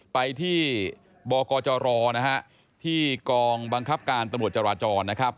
ไปที่บอกรที่กองบังคับการตำรวจจร